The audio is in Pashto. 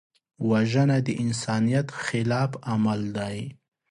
وژنه د انسانیت خلاف عمل دی